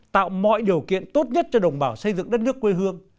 tạo mọi điều kiện tốt nhất cho đồng bào xây dựng đất nước quê hương